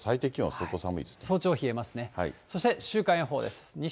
そして週間予報です。